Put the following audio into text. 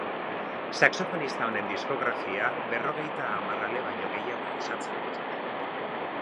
Saxofonista honen diskografia berrogeita hamar ale baino gehiagok osatzen dute.